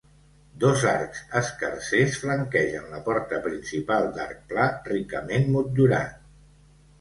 Dos arcs escarsers flanquegen la porta principal d'arc pla ricament motllurat.